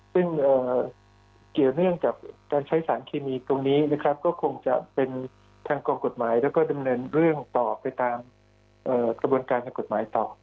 ซึ่งเกี่ยวเนื่องกับการใช้สารเคมีตรงนี้นะครับก็คงจะเป็นทางกองกฎหมายแล้วก็ดำเนินเรื่องต่อไปตามกระบวนการทางกฎหมายต่อ